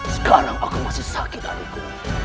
sekarang aku masih sakit hatiku